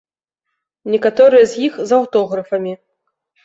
Некаторыя з іх з аўтографамі.